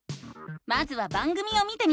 まずは番組を見てみよう！